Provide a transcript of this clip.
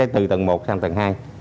từ tầng một sang tầng hai